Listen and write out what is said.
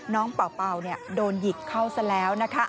น้องเปาเปาโดนหยิกเขาซะแล้วนะคะ